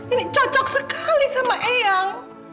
ini cocok sekali sama eyang